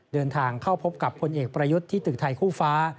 เดินทางเข้าพบกับพลเอกประยุทธ์ที่ตึกไทยคู่ฟ้า